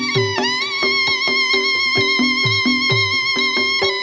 โชว์ที่สุดท้าย